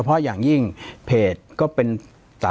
ปากกับภาคภูมิ